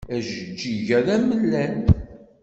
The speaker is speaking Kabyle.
Ajeǧǧig-a d amellal.